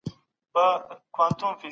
دا معلومات ډېر کره وو.